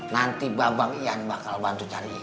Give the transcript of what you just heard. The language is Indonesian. nanti babang ian bakal bantu cari